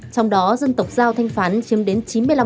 trong đó dân tộc giao thanh phán chiếm đến chín mươi năm